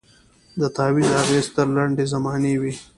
د تعویذ اغېز تر لنډي زمانې وي